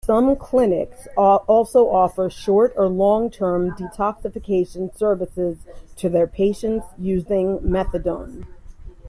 Some clinics also offer short- or long-term detoxification services to their patients using methadone.